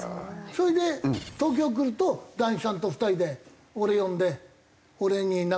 それで東京来ると談志さんと２人で俺呼んで俺になんか言ってくるの。